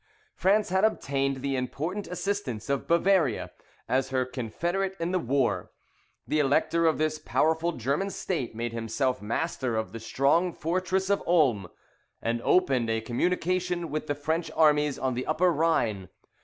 France had obtained the important assistance of Bavaria, as her confederate in the war. The Elector of this powerful German state made himself master of the strong fortress of Ulm, and opened a communication with the French armies on the Upper Rhine.